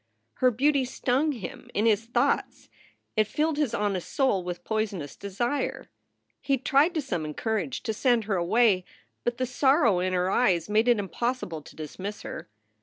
Her beauty stung him in his thoughts. It filled his honest soul with poisonous desire. He tried to summon courage to send her away, but the sorrow in her eyes made it impossible to dismiss her.